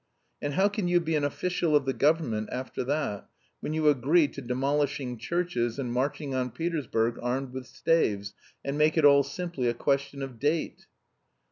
"And how can you be an official of the government after that, when you agree to demolishing churches, and marching on Petersburg armed with staves, and make it all simply a question of date?"